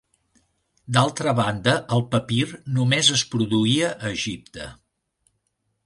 D'altra banda, el papir només es produïa a Egipte.